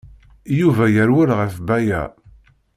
Yuba yerwel ɣef Baya.